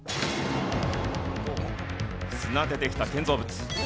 砂でできた建造物。